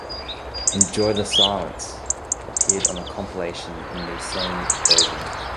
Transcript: "Enjoy the Silence" appeared on the compilation in the same version.